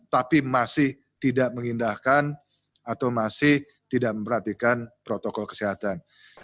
tapi masih tidak mengindahkan atau masih tidak memperhatikan protokol kesehatan